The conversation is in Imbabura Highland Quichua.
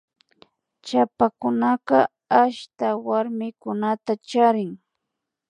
Chapakunaka ashta warmikunata charin